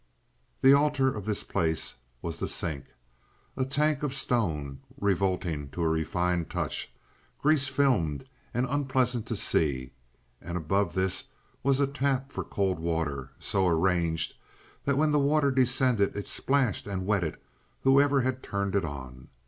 The altar of this place was the "sink," a tank of stone, revolting to a refined touch, grease filmed and unpleasant to see, and above this was a tap for cold water, so arranged that when the water descended it splashed and wetted whoever had turned it on.